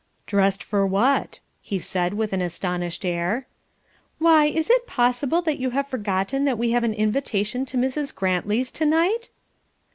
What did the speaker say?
"Dressed for what?" he said with an astonished air. "Why, is it possible that you have forgotten that we have an invitation to Mrs. Grantley's tonight?"